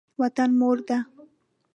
وطن مور ده.